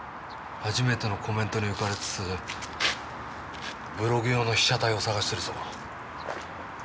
初めてのコメントに浮かれつつブログ用の被写体を探してるぞ。